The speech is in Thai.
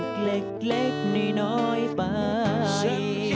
ความสุขเล็กในน้อยใบ